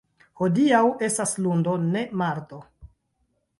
Hodiaŭ estas lundo, ne, mardo.